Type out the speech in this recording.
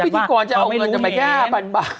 แล้วก็พี่ถีกรจะเอาเงินไปได้แบบนี้ไหม